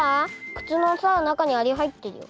靴のさ中にアリ入ってるよ。